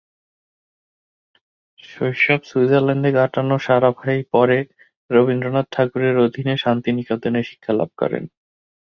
শৈশব সুইজারল্যান্ডে কাটানো সারাভাই পরে রবীন্দ্রনাথ ঠাকুরের অধীনে শান্তিনিকেতনে শিক্ষা লাভ করেন।